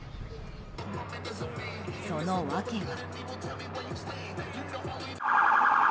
その訳は。